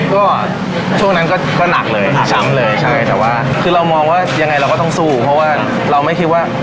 ก็ช่วงนั้นก็หนักเลยช้ำเลยใช่แต่ว่าคือเรามองว่ายังไงเราก็ต้องสู้เพราะว่าเราไม่คิดว่า